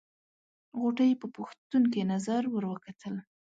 غوټۍ په پوښتونکې نظر ور وکتل.